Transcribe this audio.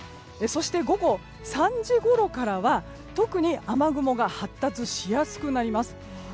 午後３時ごろからは特に雨雲が発達しやすくなります。